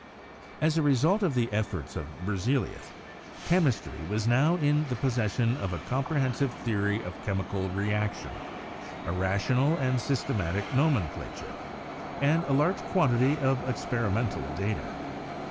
As a result of the efforts of Berzelius, chemistry was now in the possession of a comprehensive theory of chem ical reaction, a rational and systematic nomenclature, and a large quantity of experimental data.